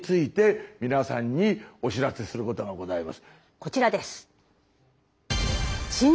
こちらです。